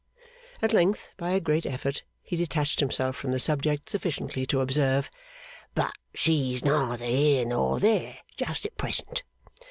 At length, by a great effort, he detached himself from the subject sufficiently to observe: 'But she's neither here nor there just at present.